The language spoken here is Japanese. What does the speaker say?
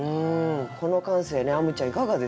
この感性ねあむちゃんいかがですか？